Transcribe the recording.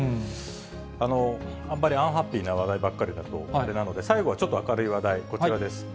あんまりアンハッピーな話題ばかりだとあれなので、最後はちょっと明るい話題、こちらです。